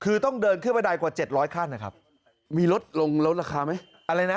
คือต้องเดินขึ้นบันไดกว่าเจ็ดร้อยขั้นนะครับมีลดลงลดราคาไหมอะไรนะ